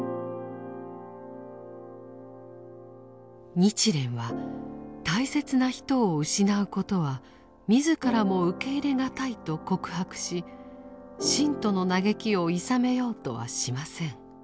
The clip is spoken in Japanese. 日蓮は大切な人を失うことは自らも受け入れ難いと告白し信徒の嘆きをいさめようとはしません。